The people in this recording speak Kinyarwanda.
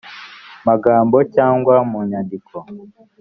magambo cyangwa mu nyandiko